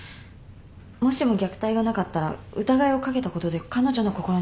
もしも虐待がなかったら疑いをかけたことで彼女の心に傷を残すことに。